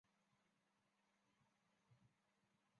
其在早期记载技术中为最为普遍的使用方式。